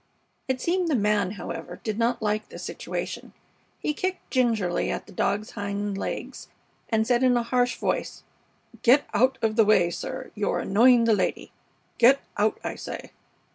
It seemed the man, however, did not like the situation. He kicked gingerly at the dog's hind legs, and said in a harsh voice: "Get out of the way, sir. You're annoying the lady. Get out, I say!"